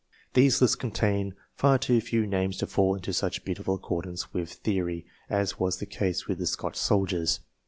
These lists contain far too few names to fall into such beautiful accordance with theory, as was the case with the Scotch soldiers.